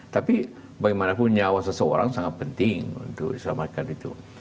tapi bagaimanapun nyawa seseorang sangat penting untuk diselamatkan itu